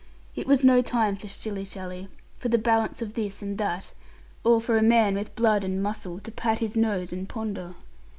It was no time for shilly shally, for the balance of this and that, or for a man with blood and muscle to pat his nose and ponder.